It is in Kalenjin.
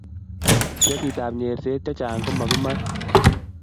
kesit ab nyerset che chang komakimaet